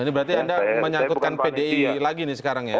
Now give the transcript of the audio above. ini berarti anda menyangkutkan pdi lagi nih sekarang ya